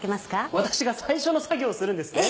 私が最初の作業をするんですね。